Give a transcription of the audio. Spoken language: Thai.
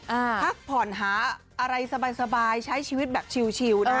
พักผ่อนหาอะไรสบายใช้ชีวิตแบบชิวนะฮะ